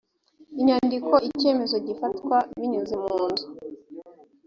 inyandiko icyemezo gifatwa binyuze munzu